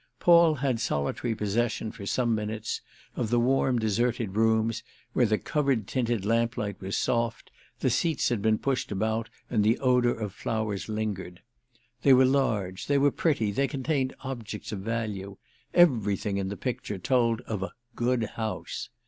Paul had solitary possession, for some minutes, of the warm deserted rooms where the covered tinted lamplight was soft, the seats had been pushed about and the odour of flowers lingered. They were large, they were pretty, they contained objects of value; everything in the picture told of a "good house."